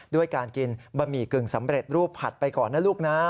ด้วยการกินบะหมี่กึ่งสำเร็จรูปผัดไปก่อนนะลูกนะ